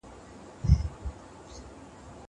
کېدای سي زدکړه سخته وي!